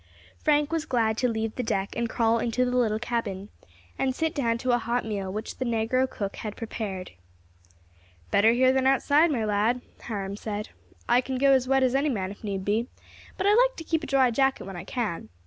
Frank was glad to leave the deck and crawl into the little cabin, and sit down to a hot meal which the negro cook had prepared. "Better here than outside, my lad," Hiram said. "I can go as wet as any man if need be, but I like to keep a dry jacket when I can.